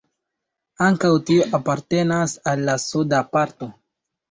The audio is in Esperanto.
Ankaŭ tio apartenas al la suda parto.